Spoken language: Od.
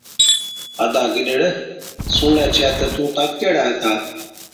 ادا گِڏڙ، سُڻلَي ڇَي تہ تُون طاقتِي هاڙا هِتا۔